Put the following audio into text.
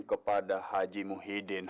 kepada haji muhyiddin